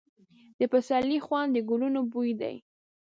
د پسرلي خوند د ګلونو بوی دی.